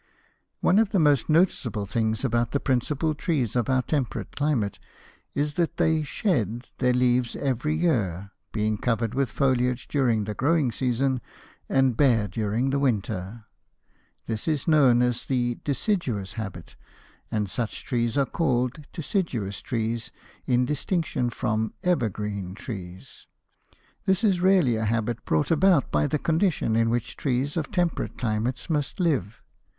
One of the most noticeable things about the principal trees of our temperate climate is that they "shed" their leaves every year, being covered with foliage during the growing season and bare during the winter. This is known as the "deciduous" habit, and such trees are called deciduous trees, in distinction from "evergreen" trees. This is really a habit, brought about by the conditions in which trees of temperate climates must live.